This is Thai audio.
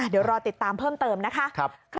เดี๋ยวรอติดตามเพิ่มเติมนะคะ